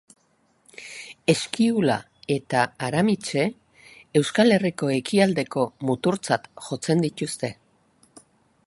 Eskiula eta Aramitse, Euskal Herriko ekialdeko muturtzat jotzen dituzte.